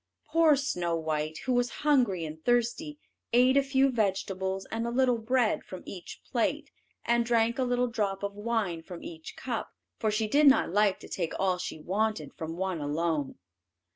Poor Snow white, who was hungry and thirsty, ate a few vegetables and a little bread from each plate, and drank a little drop of wine from each cup, for she did not like to take all she wanted from one alone.